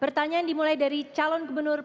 pertanyaan dimulai dari calon gubernur